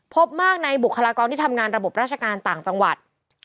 พบมากในบุคลากรที่ทำงานระบบราชการต่างจังหวัด